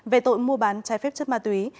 về tội mua bán trái phép chất ma túy